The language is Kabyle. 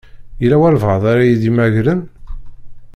Yella walebɛaḍ ara ɣ-d-imagren?